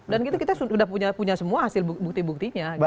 dan kita sudah punya semua hasil bukti buktinya